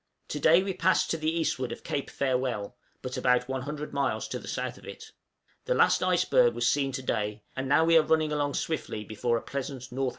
_ To day we passed to the eastward of Cape Farewell, but about 100 miles to the south of it. The last iceberg was seen to day; and now we are running along swiftly before a pleasant N.W.